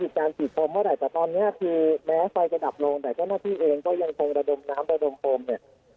อุดการฉีดพรมเมื่อไหร่แต่ตอนเนี้ยที่แม้ไฟจะดับลงแต่ก็หน้าที่เองก็ยังต้องระดมน้ำระดมพรมเนี่ย